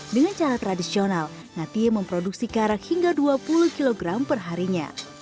karena ini adalah tradisional ngati memproduksi karak hingga dua puluh kg perharinya